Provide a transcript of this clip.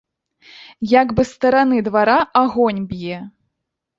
Як бы з стараны двара агонь б'е!